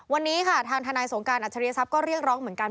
วันนี้ค่ะทางทนายสงการอัจฉริยทรัพย์ก็เรียกร้องเหมือนกัน